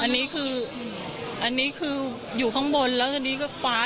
พูดสิทธิ์ข่าวธรรมดาทีวีรายงานสดจากโรงพยาบาลพระนครศรีอยุธยาครับ